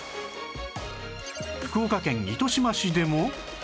福岡県糸島市でも